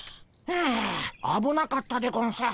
はああぶなかったでゴンス。